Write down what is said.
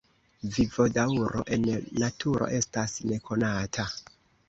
Vivodaŭro en naturo estas nekonata.